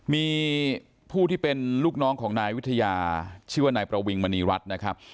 มีผู้ที่เป็นลูกน้องของนายวิทยาชื่อว่านายประวิงมณีรัฐนะครับ